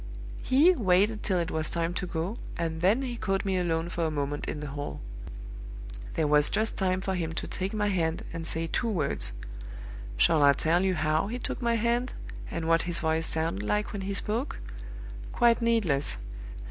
He waited till it was time to go, and then he caught me alone for a moment in the hall. There was just time for him to take my hand, and say two words. Shall I tell you how he took my hand, and what his voice sounded like when he spoke? Quite needless!